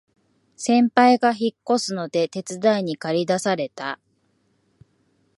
先輩が引っ越すので手伝いにかり出された